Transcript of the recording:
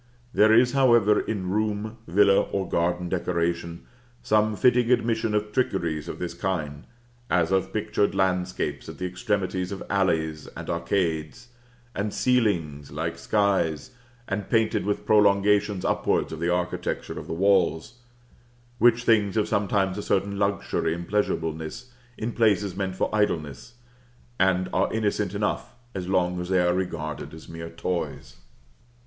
There is, however, in room, villa, or garden decoration, some fitting admission of trickeries of this kind, as of pictured landscapes at the extremities of alleys and arcades, and ceilings like skies, or painted with prolongations upwards of the architecture of the walls, which things have sometimes a certain luxury and pleasureableness in places meant for idleness, and are innocent enough as long as they are regarded as mere toys.